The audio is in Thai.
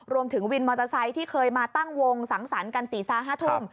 วินมอเตอร์ไซค์ที่เคยมาตั้งวงสังสรรค์กัน๔๕ทุ่ม